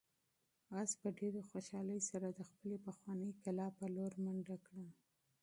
آس په ډېرې خوشحالۍ سره د خپلې پخوانۍ کلا په لور منډه کړه.